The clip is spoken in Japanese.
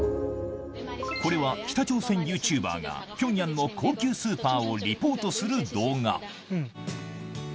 これは北朝鮮ユーチューバーが、ピョンヤンの高級スーパーをリポートする動画。